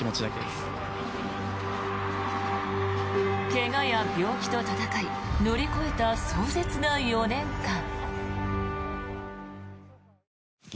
怪我や病気と闘い乗り越えた壮絶な４年間。